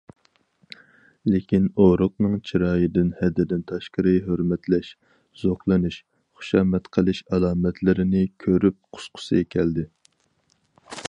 لېكىن ئورۇقنىڭ چىرايىدىن ھەددىدىن تاشقىرى ھۆرمەتلەش، زوقلىنىش، خۇشامەت قىلىش ئالامەتلىرىنى كۆرۈپ قۇسقۇسى كەلدى.